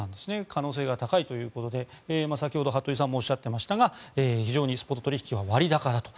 可能性が高いということで先ほど服部さんもおっしゃっていましたが非常にスポット取引は割高だと。